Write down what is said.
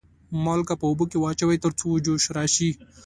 مالګه په اوبو کې واچوئ تر څو جوش راشي.